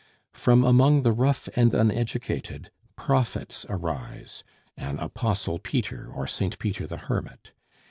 From among the rough and uneducated, prophets arise an Apostle Peter, or St. Peter the Hermit.